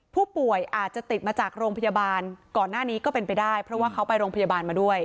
ผู้ป่วยอาจจะติดมาจากโรงพยาบาลก่อนหน้านี้ก็เป็นไปได้เพราะว่าเขาไปโรงพยาบาลมาด้วย